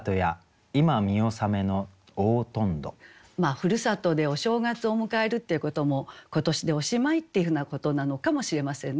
故郷でお正月を迎えるっていうことも今年でおしまいっていうふうなことなのかもしれませんね。